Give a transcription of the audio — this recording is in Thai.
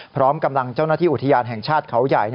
พร้อมกำลังเจ้าหน้าที่อุทยานแห่งชาติเขาใหญ่